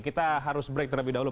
kita harus break terlebih dahulu